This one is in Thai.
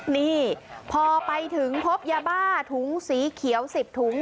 นี่พอไปถึงพบยาบ้าถุงสีเขียว๑๐ถุง